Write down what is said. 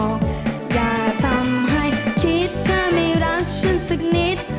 อย่าทำให้คิดเธอไม่รักฉันสักนิด